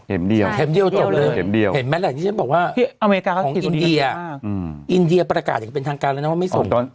เห็นมั้ยแหละนี่จะบอกว่าของอินเดียอินเดียประกาศอย่างเป็นทางการแล้วนะว่าไม่ส่ง